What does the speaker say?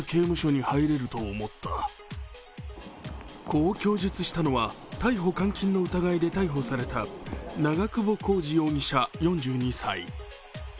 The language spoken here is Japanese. こう供述したのは逮捕・監禁の疑いで逮捕された長久保浩二容疑者４２歳。